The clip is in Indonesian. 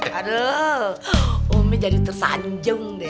aduh umi jadi tersanjung deh